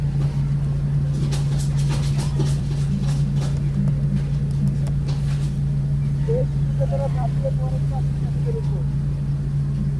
এ সুযোগে তারা ঝাঁপিয়ে পড়েন পাকিস্তানিদের ওপর।